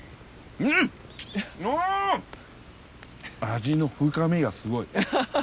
味の深みがすごい。